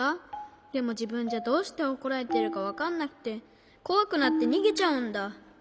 でもじぶんじゃどうしておこられてるかわかんなくてこわくなってにげちゃうんだ。